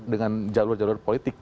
dengan jalur jalur politik